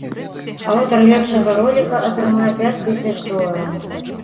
Аўтар лепшага роліка атрымае пяць тысяч долараў.